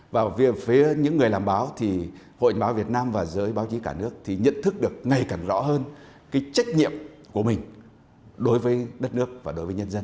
và về phía những người làm báo thì hội nhà báo việt nam và giới báo chí cả nước thì nhận thức được ngày càng rõ hơn cái trách nhiệm của mình đối với đất nước và đối với nhân dân